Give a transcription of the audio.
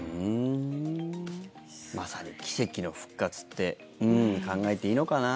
まさに奇跡の復活って考えていいのかな。